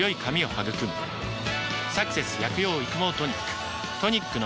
「サクセス薬用育毛トニック」